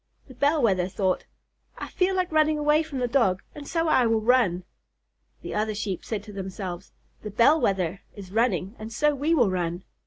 The Bell Wether thought, "I feel like running away from the Dog, and so I will run." The other Sheep said to themselves, "The Bell Wether is running and so we will run."